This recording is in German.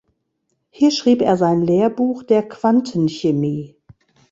Hier schrieb er sein Lehrbuch der Quantenchemie.